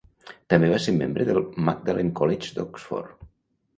També va ser membre del Magdalen College d'Oxford.